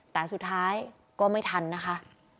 แต่สุดท้ายก็ไม่ทันนะคะ